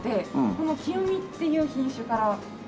この清見っていう品種から。